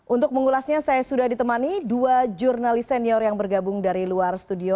untuk mengulasnya saya sudah ditemani dua jurnalis senior yang bergabung dari luar studio